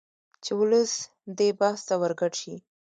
چې ولس دې بحث ته ورګډ شي